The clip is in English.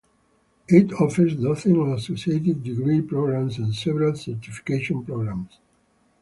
It offers dozens of associate degree programs and several certification programs.